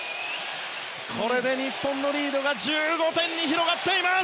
これで日本のリードは１５点に広がっています！